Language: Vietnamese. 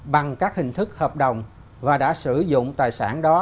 bằng các hình thức hợp đồng và đã sử dụng tài sản đó